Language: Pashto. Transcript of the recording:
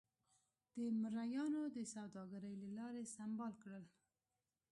د مریانو د سوداګرۍ له لارې سمبال کړل.